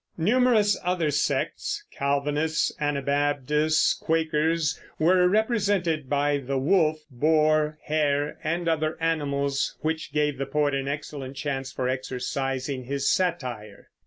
Numerous other sects Calvinists, Anabaptists, Quakers were represented by the wolf, boar, hare, and other animals, which gave the poet an excellent chance for exercising his satire.